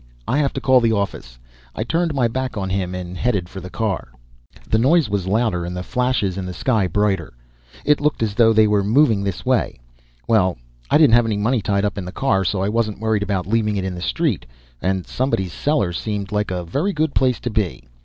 I have to call the office." I turned my back on him and headed for the car. The noise was louder, and the flashes in the sky brighter it looked as though they were moving this way. Well, I didn't have any money tied up in the car, so I wasn't worried about leaving it in the street. And somebody's cellar seemed like a very good place to be.